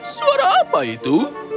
suara apa itu